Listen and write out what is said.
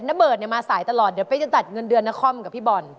ระเบิดเนี่ยมาสายตลอดเดี๋ยวเป๊กจะตัดเงินเดือนนครกับพี่บอล